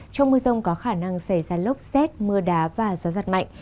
trong mưa rông có khả năng xảy ra lốc xét mưa đá và gió giật mạnh